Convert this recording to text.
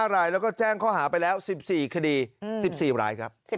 ๕รายแล้วก็แจ้งข้อหาไปแล้ว๑๔คดี๑๔รายครับ